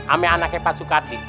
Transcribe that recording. ama anaknya pak sukati